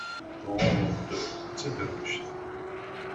Tuɣaleḍ d taderwict?